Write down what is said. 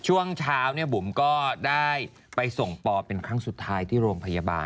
ช่วงเช้าบุ๋มก็ได้ไปส่งปอเป็นครั้งสุดท้ายที่โรงพยาบาล